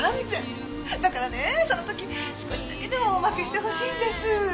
だからねその時少しだけでもおまけしてほしいんです。